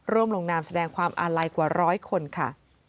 ลงนามแสดงความอาลัยกว่าร้อยคนค่ะ